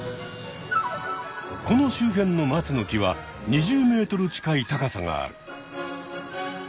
この周辺のマツの木は２０ｍ近い高さがある。